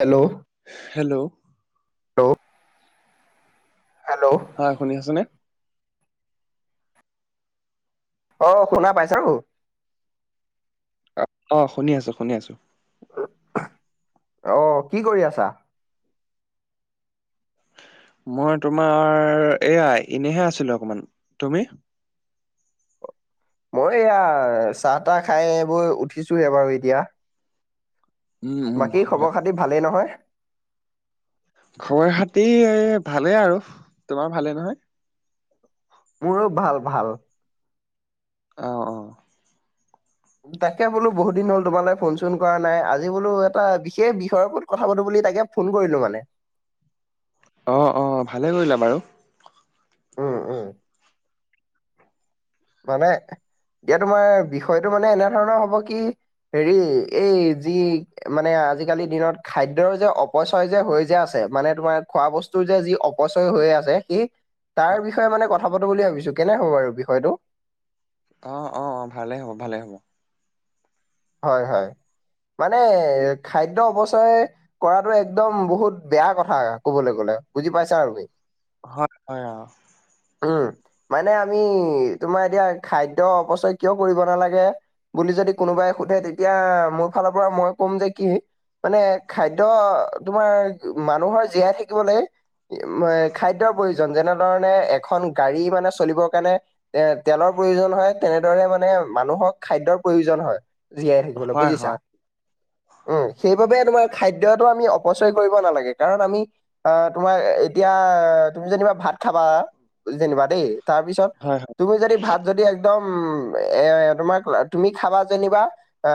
Hello! Hello! Hello! হয় শুনি আছ নে? অ শুনা পাইছো। অ শুনি আছো, শুনি আছো। অ কি কৰি আছা? মই তোমাৰ এয়া এনেহে আছিলো অকমান। তুমি? মই এয়া চাহ তাহ খাই বৈ উঠিছোহে বাৰু এতিয়া। উম উম বাকী হয়। খবৰ খাতি ভালেই নহয়? খবৰ খাতি এ ভালে আৰু। তোমাৰ ভালে নহয়? মোৰো ভাল ভাল। অ অ। তাকে বোলো বহুত দিন হ'ল তোমালৈ ফোন চোন কৰা নাই আজি বোলো এটা বিশেষ বিষয়ৰ প্ৰতি কথা পাতো বুলি তাকে ফোন কৰিলো মানে। অঁ অঁ ভালে কৰিলা বাৰু। উম উম। মানে এতিয়া তোমাৰ বিষয়টো মানে এনে ধৰণৰ হব কি হেৰি এই যি মানে আজিকালি দিনত খাদ্যৰ যে অপচয় যে হৈ যে আছে মানে তোমাৰ খোৱা ব স্তু যি অপচয় হৈ আছে। সেই তাৰ বিষয়ে মানে কথা পাতো বুলি ভাবিছো, কেনে হব বাৰু বিষয়টো? অঁ অঁ, ভালে হ'ব ভালে হ'ব। হয়, হয়। মানে খাদ্য অপচয়। কৰাটো একদম বহুত বেয়া কথা ক'বলৈ গ'লে বুজি পাইছা আৰু কি। [unintelligible] হয় অ। উম। মানে আমি তোমাৰ এতিয়া খাদ্য অপচয় কিয় কৰিব নালাগে? বুলি যদি কোনোবাই সোধে তেতিয়া মোৰ ফালৰ পৰা মই ক'ম যে কি। মানে খাদ্য, তোমাৰ মানুহৰ জীয়াই থাকিবলৈ। খাদ্যৰ প্ৰয়োজন যেনেধৰণে এখন গাড়ী মানে চলিবৰ কাৰণে। এ, তেলৰ প্ৰয়োজন হয় তেনেদৰে মানে মানুহক খাদ্যৰ প্ৰয়োজন হয়। জীয়াই থাকিবলৈ হয় বুজিছা? হয় উম, সেইবাবে তোমাৰ খাদ্যটো আমি অপচয় কৰিব নালাগে কাৰণ আমি। আহ, তোমাৰ এতিয়া তুমি যেনিবা ভাত খাবা যেনিবা দেই তাৰপিছত। হয়, হয়। তুমি যদি ভাত যদি একদম এ, তোমাক তুমি খাবা যেনিবা। এ,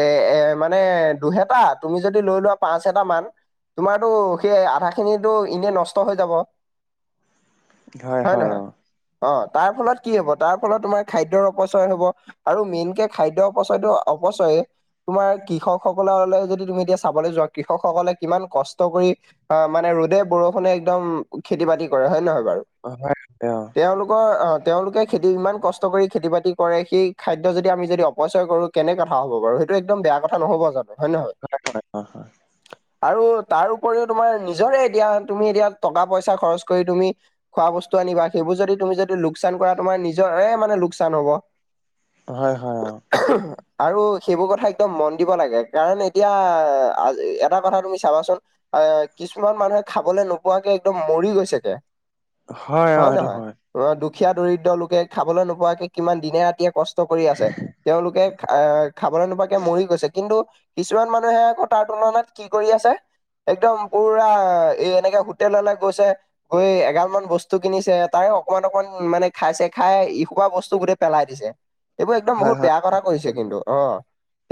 এ, এ, মানে দুহেটা তুমি যদি লৈ লোৱা পাঁচহেটা মান। তোমাৰটো সেই আধা খিনিতো এনে নষ্ট হৈ যাব। হয় নহয়? অ' তাৰ ফলত কি হ'ব তাৰ ফলত তোমাৰ খাদ্যৰ অপচয় হব আৰু মেইনকে খাদ্য অপচয়টো অপচয়। তোমাৰ কৃষকসকললৈ যদি তুমি এতিয়া চাবলৈ যোৱা কৃষকসকলে কিমান কষ্ট কৰি। অ' মানে ৰ'দে বৰষুণে একদম খেতি বাতি কৰে হয়ে নহয় বাৰু? হয় অ'। তেওঁলোকৰ তেওঁলোকে খেতি ইমান কষ্ট কৰি খেতি বাতি কৰে সেই খাদ্য যদি আমি যদি অপ অপচয় কৰোঁ কেনে কথা হ'ব বাৰু, সেইটো একদম বেয়া কথা নহ'ব জানোঁ হয় নে নহয়? হয় অ আৰু তাৰ উপৰিও তোমাৰ নিজৰে এতিয়া তুমি এতিয়া টকা পইচা খৰচ কৰি তুমি। খোৱা বস্তু আনিবা সেইবোৰ যদি তুমি যদি লোকচান কৰা, তোমাৰ নিজৰহে মানে লোকচান হ'ব। হয়, হয়। অ'। [inaudible] আৰু সেইবোৰ কথা একদম মন দিব লাগে কাৰণ এতিয়া এটা কথা তুমি চাবাচোন। অ' কিছুমান মানুহে খাবলৈ নোপোৱাকে একদম মৰি গৈছেগে। অ অ হয় নে সেইটো নহয়? দুখীয়া দৰিদ্ৰ লোকে খাবলৈ নোপোৱাকে কিমান দিনে ৰাতিয়ে কষ কৰি আছে তেওঁলোকে খ-খাবলৈ নোপোৱাকে মৰি গৈছে কিন্তু। কিছুমান মানুহে আকৌ তাৰ তুলনাত কি কৰি আছে। একদম পুৰা এ, এনেকে হোটেললৈ গৈছে। গৈ এগাল মান বস্তু কিনিছে তাৰে অকমান অকমান মানে খাইছে খাই ইসোপা বস্তু গোটেই পেলাই দিছে। এইবোৰ একদম হয় বহুত হয় বেয়া কথা কৈছে কিন্তু অ'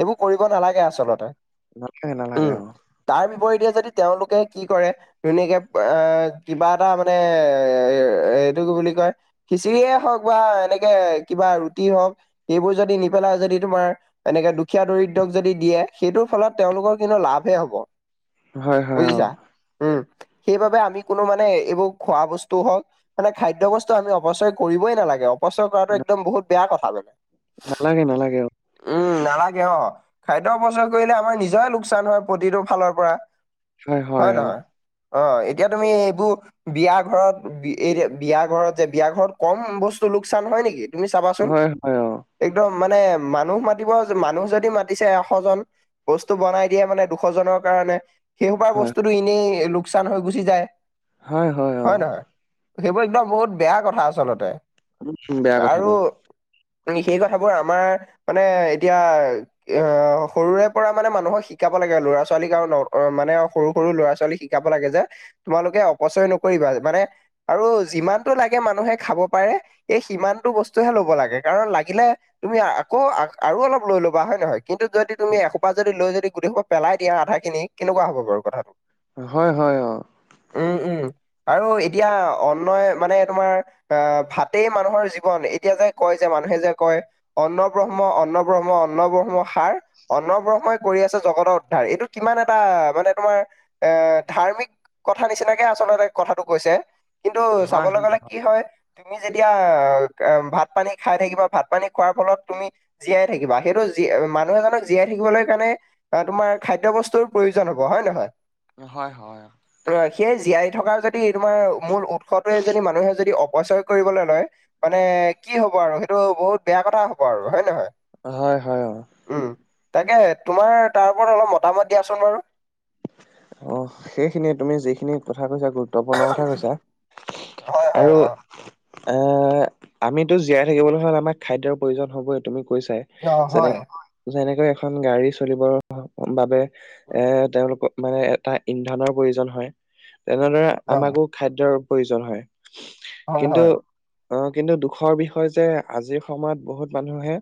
এইবোৰ কৰিব নালাগে আচলতে। [unintelligible] নালাগে উম, অ। তাৰ বিপৰীতে যদি তেওঁলোকে কি কৰে। ধুনীয়াকে এ, কিবা এটা মানে এ-এইটো কি বুলি কয়? খিচিৰিয়ে হওক বা এনেকে কিবা ৰুটি হওক সেইবোৰ যদি নি পেলাই যদি তোমাৰ। এনেকে দুখীয়া দৰিদ্ৰক যদি দিয়ে সেইটোৰ ফলত তেওঁলোকৰ কিন্তু লাভে হ'ব। হয় হয় অ বুজিছা উম। সেইবাবে আমি কোনো মানে এইবোৰ খোৱা বস্তু হওক। মানে খাদ্য বস্তু আমি অপচয় কৰিবই নালাগে, অপচয় কৰাটো একদম বহুত বেয়া কথা মানে। নালাগে, নালাগে অ। উম, নালাগে অ', খাদ্য অপচয় কৰিলে আমাৰ নিজৰে লোকচান হয় প্ৰতিটো ফালৰ পৰা। হয় নহয়? অ' এতিয়া তুমি এইবোৰ। বিয়া ঘৰত এই বিয়া ঘৰত যে বিয়া ঘৰত কম বস্তু লোকচান হয় নেকি। তুমি চাবাচোন। হয় হয় অ'। একদম মানে মানুহ মাতিব মানুহ যদি মাতিছে এশ জন। বস্তু বনাই দিয়ে মানে দুশজনৰ কাৰণে। সেই সোপা হয় বস্তুটো এনেই লোকচান হৈ গুচি যায়। হয় হয় হয়। হয় নহয় সেইবোৰ একদম বহুত বেয়া কথা আচলতে। উম বেয়া কথা এইবোৰ। আৰু সেই কথাবোৰ আমাৰ মানে এতিয়া। অ সৰুৰে পৰা মানে মানুহক শিকাব লাগে ল'ৰা ছোৱালীক আৰু মানে সৰু সৰু ল'ৰা ছোৱালী শ। শিকাব লাগে যে তোমালোকে অপচয় নকৰিবা মানে। আৰু যিমানটো লাগে মানুহে খাব পাৰে এই সিমানটো বস্তুহে ল'ব লাগে। কাৰণ লাগিলে তুমি আকৌ আৰু অলপ লৈ ল'বা হয় নহয়। কিন্তু যদি তুমি এসোপা যদি লৈ যদি গুটেই সোপা পেলাই দিয়া আধাখিনি কেনেকুৱা হ'ব বাৰু কথাটো। হয় হয় অ। উম উম। আৰু এতিয়া অন্নয় মানে তোমাৰ আহ ভাতেই মানুহৰ জীৱন এতিয়া যে কয়। যে মানুহে যে কয় অন্ন ব্ৰহ্ম অন্ন ব্ৰহ্ম অন্ন ব্ৰহ্ম সাৰ। অন্ন ব্ৰহ্মই কৰি আছে জগতৰ উদ্ধাৰ এইটো কিমান এটা মানে তোমাৰ এ, ধাৰ্মিক। কথা নিচিনাকে আচলতে কথাটো কৈছে। কিন্তু হয় চাবলৈ গ'লে কি হয়, তুমি যেতিয়া ভাত পানী। খাই থাকিবা ভাত পানী খোৱাৰ ফলত তুমি জীয়াই থাকিবা সেইটো জ মানুহ এজনক জীয়াই থাকিবলৈ কাৰণে। অ তোমাৰ খাদ্য বস্তুৰ প্ৰয়োজন হ'ব হয় নহয়। হয় হয়। ত সেই জীয়াই থকাৰ যদি তোমাৰ মূল উৎসটোৱে যদি মানুহে যদি অপচয় কৰিবলৈ লয়। মানে কি হ'ব আৰু সেইটো বহুত বেয়া কথা হব আৰু হয় নহয়। হয় হয় অ। উম তাকে তোমাৰ তাৰ ওপৰত অলপ মতামত দিয়াচোন বাৰু। অ সেইখিনিয়ে তুমি যিখিনি কথা কৈছা গ। গুৰুত্বপূৰ্ণ কথা কৈছা হয় হয় আৰু। অ'। অ আমিতো জীয়াই থাকিবলৈ হ'লে আমাক খাদ্যৰ প্ৰয়োজন হ'বই তুমি কৈছাই। অ' যেনে হয়। যেনেকৈ এখন গাড়ী চলিবৰ বাবে উম, এ তেওঁলোক। মানে এটা ইন্ধনৰ প্ৰয়োজন হয় তেনেদৰে অ' আমাকো। খাদ্যৰ প্ৰয়োজন হয় হয় কিন্তু। হয়। অ কিন্তু দুখৰ বিষয় যে আজিৰ সময়ত বহুত মানুহে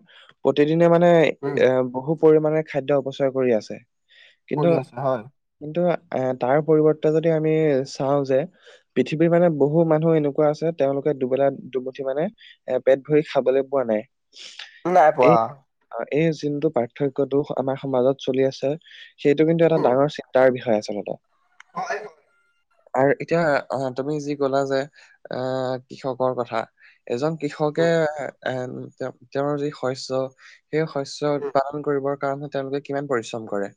প্ৰতিদিনে মানে। উম। এ বহু পৰিমাণে খাদ্য অপচয় কৰি আছে কৰি কিন্তু। আছে হয়। কিন্তু এ তাৰ পৰিৱৰ্তে যদি আমি চাওঁ যে। পৃথিৱীৰ মানে বহু মানুহ এনেকুৱা আছে তেওঁলোকে দুবেলা দুমুঠি মানে। এ পেট ভৰি খাবলৈ পোৱা নাই। নাই পোৱা। এই এই যোনটো পাৰ্থক্য দুষ আমাৰ সমাজত চলি আছে সেইটো কিন্তু এটা। উম, ডাঙৰ চিন্তাৰ বিষয় আচলতে হয় আৰু এতিয়া অ তুমি যি কলা যে এ কৃষকৰ কথা এজন কৃষকে উম, এ তেওঁৰ যি শস্য সেই শস্য উম, উৎপাদন কৰিবৰ কাৰণেহে তেওঁলোকে কিমান পৰিশ্ৰম কৰে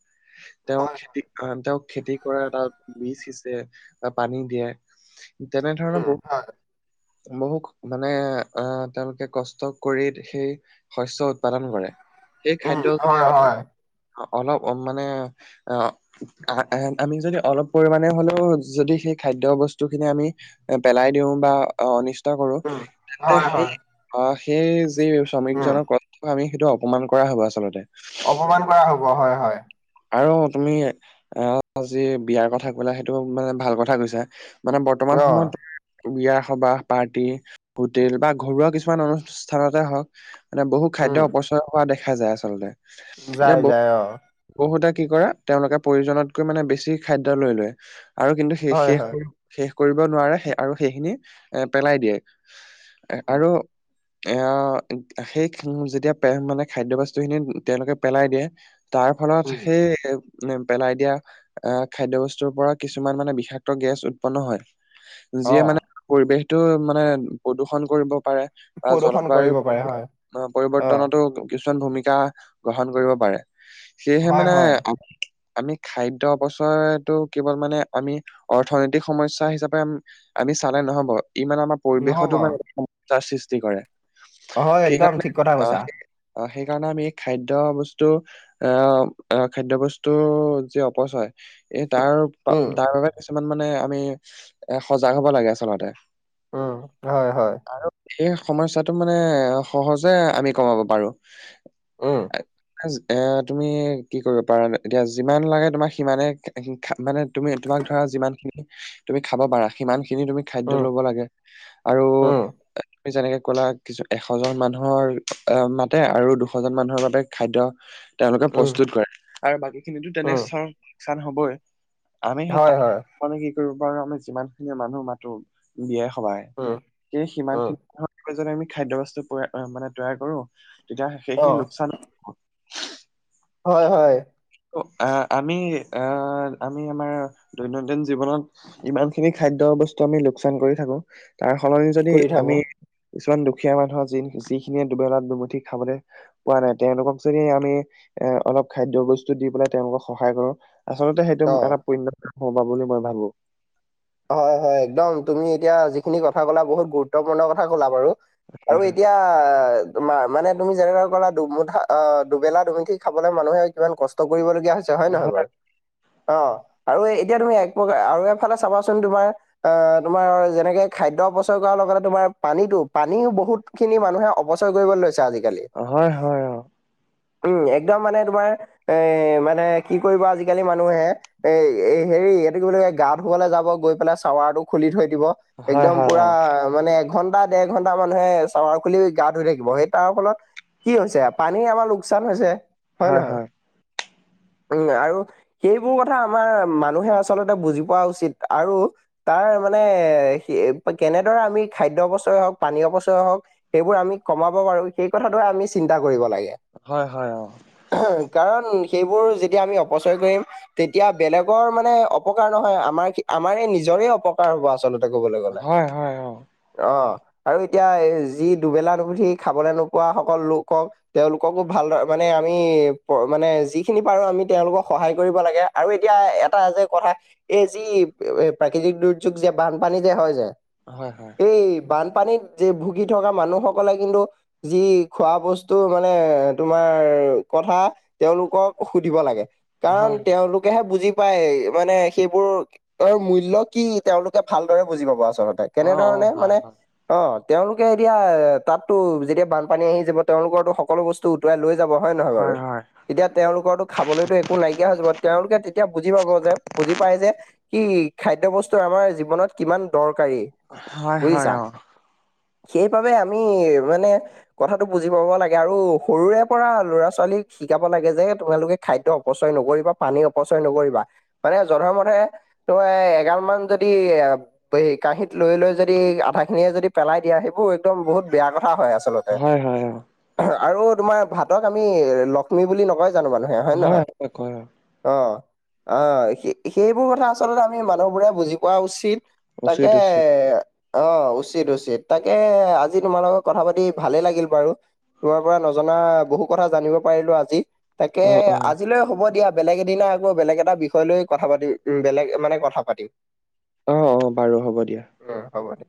তেওঁ হয় হয়। খেতি তেওঁক খেতি কৰা এটা বীজ সিচে বা পানী দিয়ে তেনেধৰণে উম, বহুত হয়। বহু মানে আহ তেওঁলোকে কষ্ট কৰি সেই শস্য উৎপাদন কৰে সেই উম, খাদ্য যদি হয় হয়। আ অলপ মানে আমি যদি অলপ পৰিমাণে হ'লেও যদি সেই খাদ্য বস্তুখিনি আমি পেলাই দিও বা অনিষ্টা কৰো উম, তেন্তে হয় সেই হয়। অ সেই যি উম, শ্ৰমিকজনৰ কথা আমি সেইটো অপমান কৰা হব আচলতে অপমান কৰা হ'ব হয় হয় আৰু তুমি আহ যি বিয়াৰ কথা কলা সেইটোও মানে ভাল কথা কৈছা। মানে বৰ্তমান অ', সময়ত বিয়া, সভা, পাৰ্টি হোটেল বা ঘৰুৱা কিছুমান অনুষ্ঠানতে হওক মানে বহু খাদ্য অপচয় কৰা দেখা যায় আচলতে এতিয়া যাই বহু যাই অ বহুতে কি কৰে তেওঁলোকে প্ৰয়োজনতকৈ মানে বেছি খাদ্য লৈ লয় আৰু কিন্তু সেই হয় শেষ হয়। শেষ কৰিব নোৱাৰে আৰু সেইখিনি এ পেলাই দিয়ে আৰু এ সেই যেতিয়া মানে খাদ্য বস্তু খিনি তেওঁলোকে পেলাই দিয়ে তাৰ ফলত উম, সেই পেলাই দিয়া আহ খাদ্য বস্তুৰ পৰা কিছুমান মানে বিষাক্ত গেছ উৎপন্ন হয়। অ, যিয়ে মানে পৰিৱেশটো মানে প্ৰদূষন কৰিব পাৰে। বা প্ৰদূষণ কৰিব জলবায়ুৰ পাৰে হয়, অ, পৰিৱৰ্তনতো কিছুমান ভূমিকা গ্ৰহণ কৰিব পাৰে। সেয়হে হয়, মানে হয়, আমি খাদ্য অৱচয়টো কেৱল মানে আমি অৰ্থনৈতিক সমস্যা হিচাপে আমি চালে নহব ই মানে আমাৰ নহ'ব। পৰিৱেশতো মানে সমস্যাৰ সৃষ্টি কৰে হয়, একদম সেইকাৰণে ঠিক কথা আহ কৈছা। অ সেইকাৰণে আমি খাদ্য বস্তু আহ খাদ্য বস্তুৰ যি অপচয় এই তাৰ উম, তাৰ বাবে কিছুমান মানে আমি এ সজাগ হব লাগে আচলতে উম হয় হয় আৰু এই সমস্যাটো মানে সহজে আমি কমাব পাৰো। উম, [unintelligible] এ তুমি কি কৰিব পাৰা এতিয়া যিমান লাগে তোমাৰ সিমানে মানে তুমি তোমাক ধৰা যিমানখিনি তুমি খাব পাৰা সিমান খিনি তুমি খাদ্য উম, ল'ব লাগে। আৰু উম, তুমি যেনেকে কলা কিছু এশজন মানুহৰ মাতে আৰু দুশজন মানুহৰ বাবে খাদ্য তেওঁলোকে উম, প্ৰস্তুত কৰে আৰু বাকী খিনিতো তেনে উম, লোকচান হবই আমি সেই হয়, তাত হয়, মানে কি কৰিব পাৰো আমি যিমান খিনি মানুহ মাতো বিয়াই সভাই উম, সেউ সিমান উম, খিনি মানুহ যে আমি খাদ্য বস্তু মানে তৈয়াৰ কৰোঁ। তেতিয়া অ, সেইখিনি লোকচান হয় হয় অ আহ আমি আহ আমি আমাৰ দৈনন্দিন জীৱনত ইমান খিনি খাদ্য বস্তু আমি লোকচান কৰি থাকো, তাৰ সলনি যদি কৰি থাকো, আমি কিছুমান দুখীয়া মানুহৰ যি-যিখিনিয়ে দুবেলাত দুমুঠি খাবলৈ পোৱা নাই তেওঁলোকক যদি আমি এ অলপ খাদ্য বস্তু বস্তু দি পেলাই তেওঁলোকক সহায় কৰক, আচলতে সেইটো অ, এটা পুণ্য কাম হবা বুলি মই ভাৱোঁ। হয়, হয়। একদম তুমি এতিয়া যিখিনি কথা ক'লা বহুত গুৰুত্বপূৰ্ণ কথা ক'লা বাৰু। হয় আৰু এতিয়া মা-মানে তুমি যেনেকৈ ক'লা দুমুঠা অ' দুবেলা দুমিঠি খাবলে মানুহে কিমান কষ্ট কৰিবলগীয়া হৈছে হয় নহয় বাৰু। অ' আৰু এতিয়া তুমি এক প্ৰকাৰ আৰু এফালে চাবাচোন তোমাৰ আহ তোমাৰ যেনেকে খাদ্য অপচয় কৰাৰ লগতে তোমাৰ পানীতো পানীও বহুত খিনি মানুহে অপচয় কৰিব লৈছে আজি। হয়, হয়, হয়। উম একদম মানে তোমাৰ এ মানে কি কৰিব আজিকালি মানুহে এ হেৰি এইটো কি বুলি কয়, গা ধুবলৈ যাব গৈ পেলাই চাৱাৰটো খুলি থৈ দিব হয় একদম হয় অ পুৰা মানে এক ঘণ্টা ডেৰ ঘণ্টা মানুহে চাৱাৰ খুলি গা ধুই থাকিব সেই তাৰ ফলত কি হৈছে, পানী আমাৰ লোকচান হৈছে হয় নহয়। উম আৰু সেইবোৰ কথা আমাৰ মানুহে আচলতে বুজি পোৱা উচিত। আৰু তাৰ মানে কেনেদৰে আমি খাদ্য অপচয় হওক, পানীয় অপচয় হওক সেইবোৰ আমি কমাব পাৰো, সেই কথাটোহে আমি চিন্তা কৰিব লাগে। হয়, হয় অহ'। কাৰণ সেইবোৰ যেতিয়া আমি অপচয় কৰিম তেতিয়া বেলেগৰ মানে অপকাৰ নহয়, আমাৰখিনি আমাৰে নিজৰে অপকাৰ হ'ব আচলতে ক'বলৈ অ গ'লে, হয় হয় অ অ। আৰু এতিয়া যি দুবেলা দুমুঠি খাবলৈ নোপোৱা সকল লোকক তেওঁলোককো ভালদৰে মানে আমি মানে যিখিনি পাৰোঁ আমি তেওঁলোকক সহায় কৰিব লাগে। আৰু এতিয়া এটা যে কথা, এই যি প্ৰাকৃতিক দুৰ্যোগ যে, বানপানী যে, হয় যে হয় হয়। এই বানপানীত যে ভুগি থকা মানুহসকলে কিন্তু যি খোৱা বস্তু মানে, তোমাৰ কথা তেওঁলোকক সুধিব লাগে কাৰণ হয় হয় তেওঁলোকেহে বুজি পায় মানে সেইবোৰ তেওঁৰ মূল্য কি তেওঁলোকে ভালদৰে বুজি পাব আচলতে অ অ কেনেধৰণে হয় মানে হয় অ' তেওঁলোকে এতিয়া তাতো যেতিয়া বানপানী আহি যাব তেওঁলোকৰো সকলো বস্তু টো উটোৱাই লৈ যাব হয় নহয় বাৰু। তেতিয়া তেওঁলোকৰতো খাবলৈতো একো নাইকিয়া হৈ যাব তেওঁলোকে তেতিয়া বুজি পাব যে, বুজি পায় যে কি খাদ্য বস্তু আমাৰ জীৱনত কিমান দৰকাৰী হয় হয় হয় বুজিছা। অ সেইবাবে আমি মানে কথাটো বুজি পাব লাগে আৰু সৰুৰে পৰা ল'ৰা ছোৱালীক শিকাব লাগে যে, তোমালোকে খাদ্য অপচয় নকৰিবা পানী অপচয় নকৰিবা মানে জধে-মধে তই এ-এগাল মান যদি কাঁহীত লৈ লৈ যদি আধা খিনিয়ে যদি পেলাই দিয়া সেইবোৰ একদম বহুত বেয়া কথা হয় আছলতে। আচলতে হয়, হয়, অ', আৰু তোমাৰ ভাদত আমি লক্ষ্মী বুলি নকয় জানো মানুহে। হয় নহয়। হয়, হয়, অ', অ' সে-সেইবোৰ কথা আছ লতে আমি মানুহবোৰে বুজি পোৱা উচিত তাকে উচিত, উচিত। এ অ উচিত উচিত তাকে আজি তোমাৰ লগত কথা পাতি ভালেই লাগিল বাৰু। তোৰ পৰা নজনা বহু কথা জানিব পাৰিলোঁ আজি। তাকে অ', অ', আজিলৈ হ'ব দিয়া বেলেগ এদিনা আকৌ বেলেগ এটা বিষয় লৈ কথা পাতিম উম বেলেগ। মানে কথা পাতিম। অ অ বাৰু হ'ব দিয়া। উম হ'ব দিয়া।